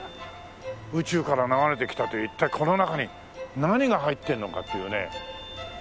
宇宙から流れてきたと一体この中に何が入ってるのかというね。